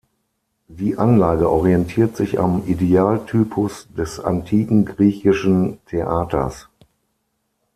Die Anlage orientiert sich am Idealtypus des antiken griechischen Theaters.